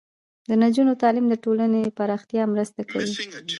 د نجونو تعلیم د ټولنې پراختیا مرسته کوي.